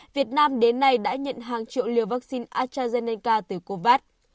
việt nam đến nay đã nhận hàng triệu liều vaccine astrazeneca từ covax